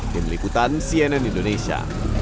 demi liputan cnn indonesia